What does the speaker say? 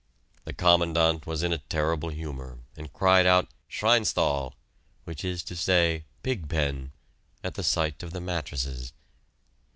The Commandant was in a terrible humor, and cried out "Schweinstall" which is to say "pig pen" at the sight of the mattresses.